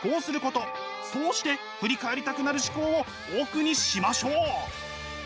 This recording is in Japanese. そうして振り返りたくなる思考をオフにしましょう。